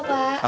di taman ada